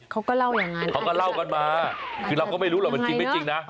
เขาก็เล่าอย่างนั้นเขาก็เล่ากันมาคือเราก็ไม่รู้หรอกมันจริงไม่จริงนะ